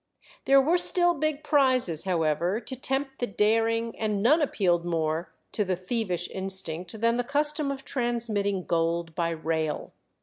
There were still big prizes, however, to tempt the daring, and none appealed more to the thievish instinct than the custom of transmitting gold by rail.